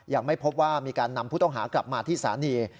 ยังไม่พบว่ามีการนำผู้ต้องหากลับมาที่สถานี